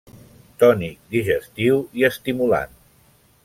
Tònic, digestiu i estimulant.